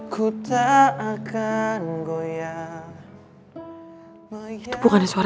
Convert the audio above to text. ku tak akan mundur